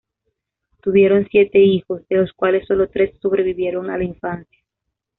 Tuvieron siete hijos, de los cuales sólo tres sobrevivieron a la infancia.